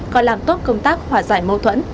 còn làm tốt công tác hỏa giải mâu thuẫn